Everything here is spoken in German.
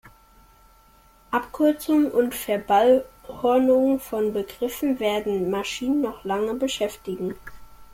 Abkürzungen und Verballhornungen von Begriffen werden Maschinen noch lange beschäftigen.